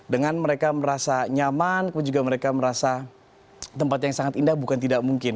dengan mereka merasa nyaman kemudian juga mereka merasa tempat yang sangat indah bukan tidak mungkin